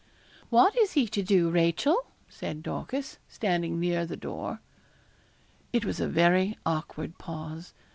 'What is he to do, Rachel?' said Dorcas, standing near the door. It was a very awkward pause.